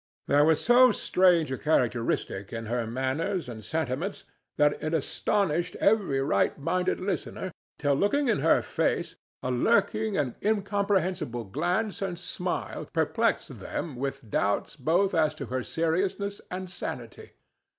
There was so strange a characteristic in her manners and sentiments that it astonished every right minded listener, till, looking in her face, a lurking and incomprehensible glance and smile perplexed them with doubts both as to her seriousness and sanity.